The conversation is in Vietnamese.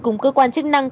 cùng cơ quan chức năng